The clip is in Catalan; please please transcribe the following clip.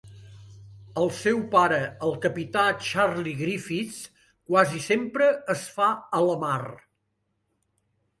El seu pare, el capità Charlie Griffiths, quasi sempre es fa a la mar.